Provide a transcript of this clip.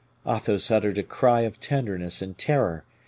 Athos uttered a cry of tenderness and terror.